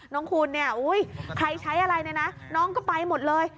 น้องคุณใครใช้อะไรนะน้องก็ไปหมดเลย